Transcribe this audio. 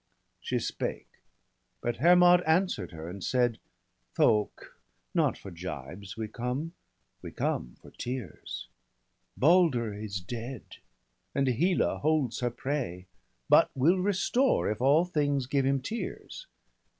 ' She spake ; but Hermod answer'd her and said :— N 2 i8o BALDER DEAD. 'Thok, not for gibes we come, we come for tears. Balder is dead, and Hela holds her prey, But will restore, if all things give him tears.